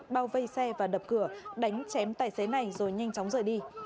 bao vây xe và đập cửa đánh chém tài xế này rồi nhanh chóng rời đi